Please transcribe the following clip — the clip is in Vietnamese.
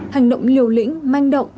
hành động liều lĩnh manh động